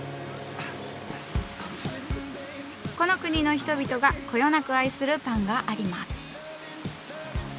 この国の人々がこよなく愛するパンがあります。